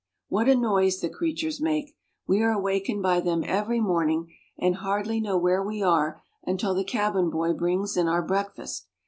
What a noise the creatures make! We are awakened by them every morning, and hardly know where we are until the cabin boy brings in our breakfast.